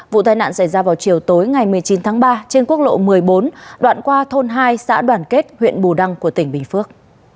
vụ tai nạn xảy ra vào chiều tối ngày một mươi chín tháng ba trên quốc lộ một mươi bốn đoạn qua thôn hai xã đoàn kết huyện bù đăng của tỉnh bình phước